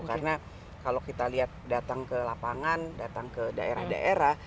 karena kalau kita lihat datang ke lapangan datang ke daerah daerah